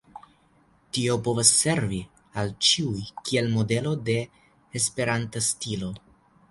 Tio povos servi al ĉiuj kiel modelo de esperanta stilo.